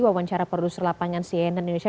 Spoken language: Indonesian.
wawancara produser lapangan cnn indonesia